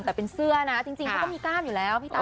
แต่เป็นเสื้อนะจริงเขาก็มีกล้ามอยู่แล้วพี่ตั